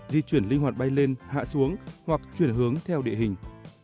di chuyển linh hoạt bay lên hạ xuống hoặc chuyển hướng theo địa hình